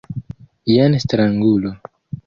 Jen strangulo.